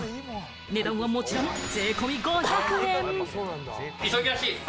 値段はもちろん税込み５００円。